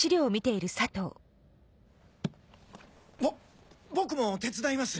ぼ僕も手伝います。